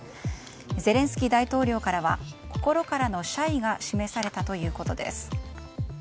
ゼレンスキー大統領からは心からの謝意が示されたということです。